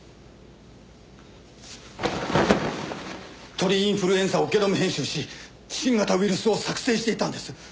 鳥インフルエンザをゲノム編集し新型ウイルスを作成していたんです。